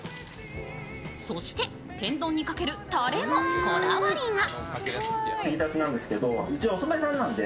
そして天丼にかけるタレもこだわりが。